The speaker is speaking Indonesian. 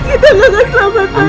mas kita gak akan selamat mas